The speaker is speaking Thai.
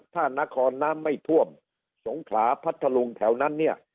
ถ้านครน้ำไม่ท่วมสงขลาพัทธลุงแถวนั้นเนี่ย